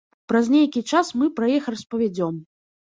Праз нейкі час мы пра іх распавядзём.